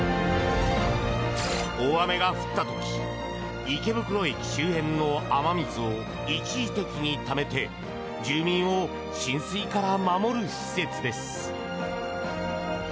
大雨が降った時池袋駅周辺の雨水を一時的にためて住民を浸水から守る施設です。